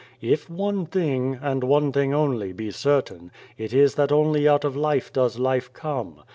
If one thing, and one thing only, be certain, it is that only out of life does life come.